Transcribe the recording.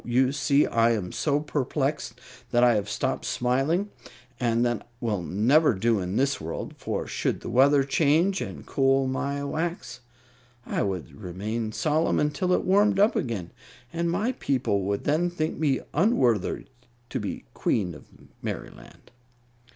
You see, I am so perplexed that I have stopped smiling, and that will never do in the world; for should the weather change and cool my wax, I would remain solemn until it warmed up again, and my people would then think me unworthy to be the Queen of Merryland."